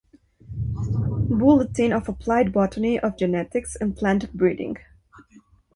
Bulletin of Applied Botany, of Genetics, and Plant-Breeding".